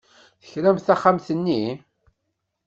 Tekram taxxamt-nni?